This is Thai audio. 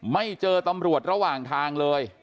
ไม่เจอตำรวจระหว่างทางเลย